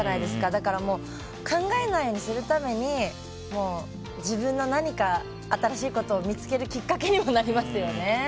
だから考えないようにするために自分の何か新しいことを見つけるきっかけにもなりますよね。